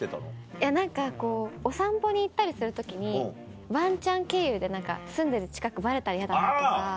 いや何かこうお散歩に行ったりする時にワンちゃん経由で住んでる近くバレたら嫌だなとか。